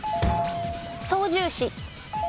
操縦士。